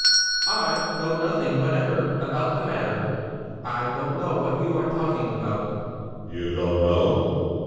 "I know nothing whatever about the matter; I don't know what you are talking about." "You don't know?"